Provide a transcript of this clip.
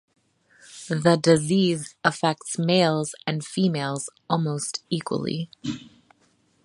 The disease affects males and females almost equally.